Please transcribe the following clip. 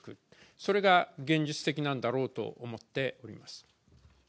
それが現実的なんだろうと思っております。